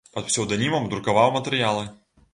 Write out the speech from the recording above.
Пад псеўданімам друкаваў матэрыялы.